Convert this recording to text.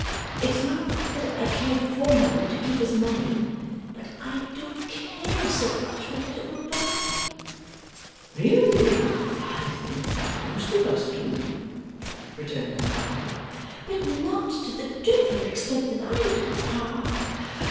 It's not that I care for money to keep as money, but I do care so much for what it will buy!' 'Really I think most of us do,' returned R. W. 'But not to the dreadful extent that I do, Pa.